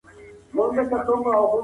صنعتي سکتور څنګه د انرژۍ سرچینې کاروي؟